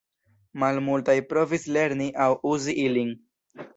Malmultaj provis lerni aŭ uzi ilin.